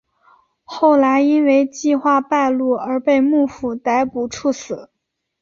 后来因为计划败露而被幕府逮捕处死。